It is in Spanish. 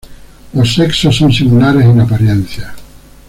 Los sexos son similares en apariencia.